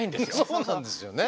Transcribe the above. そうなんですよね。